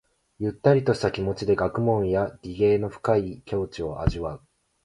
ゆったりとした気持ちで学問や技芸の深い境地を味わう。